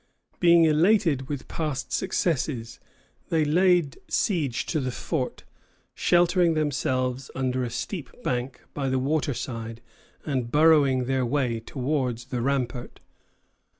Being elated with past successes, they laid siege to the fort, sheltering themselves under a steep bank by the water side and burrowing their way towards the rampart.